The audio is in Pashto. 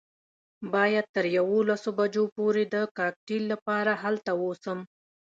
باید تر یوولسو بجو پورې د کاکټیل لپاره هلته ووسم.